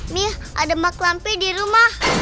mi ada mak lampir di rumah